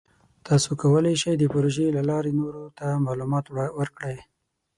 تاسو کولی شئ د پروژې له لارې نورو ته معلومات ورکړئ.